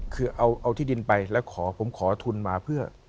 คือเอาที่ดินไปแล้วขอผมขอทุนมาเพื่อ